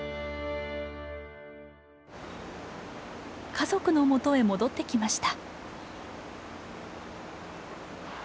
家族のもとへ戻ってきました。